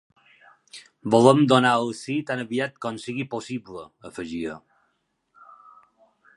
“Volem donar el sí tan aviat com sigui possible”, afegia.